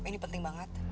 ini penting banget